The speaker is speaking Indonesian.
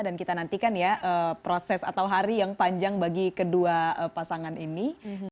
dan kita nantikan ya proses atau hari yang panjang bagi kedua pasangan ini